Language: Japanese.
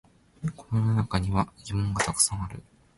この世の中には疑問がたくさんある